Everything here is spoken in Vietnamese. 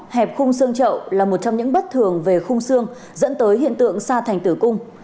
hẹp khung xương trậu là một trong những bất thường về khung xương dẫn tới hiện tượng xa thành tử cung